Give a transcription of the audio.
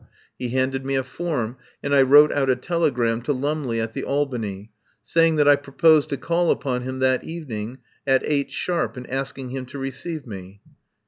He handed me a form and I wrote out a tele gram to Lumley at the Albany, saying that I proposed to call upon him that evening at 8 sharp, and asking him to receive me.